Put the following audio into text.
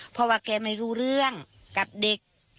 เพราะว่าแกไม่รู้เรื่องกับเด็ก